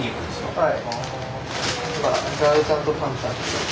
はい。